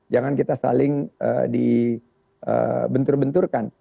jangan kita saling dibentur benturkan